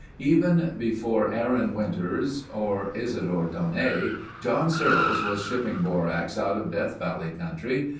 Even before Aaron Winters or Isadore Daunet, John Searles was shipping borax out of Death Valley country.